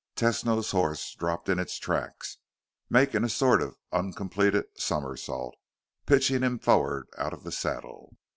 Tesno's horse dropped in its tracks, making a sort of uncompleted somersault, pitching him forward out of the saddle.